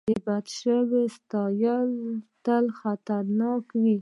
بد شی ساتل تل خطرناک وي.